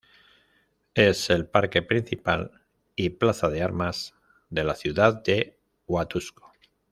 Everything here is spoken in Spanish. Es el parque principal y plaza de armas de la ciudad de Huatusco.